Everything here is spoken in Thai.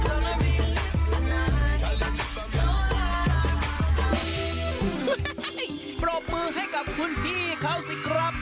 ปรบมือให้กับคุณพี่เขาสิครับ